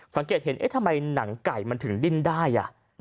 สังเกตเห็นเอ๊ะทำไมหนังไก่มันถึงดิ้นได้